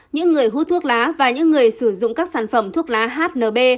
những người hút thuốc lá và những người sử dụng các sản phẩm thuốc lá hnb